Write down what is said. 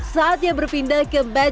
saatnya berpindah ke bank